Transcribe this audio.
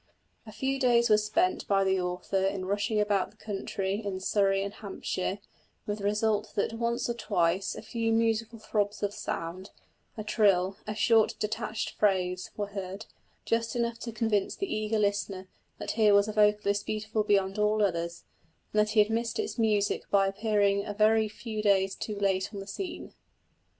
A few days were spent by the author in rushing about the country in Surrey and Hampshire, with the result that once or twice a few musical throbs of sound, a trill, a short detached phrase, were heard just enough to convince the eager listener that here was a vocalist beautiful beyond all others, and that he had missed its music by appearing a very few days too late on the scene.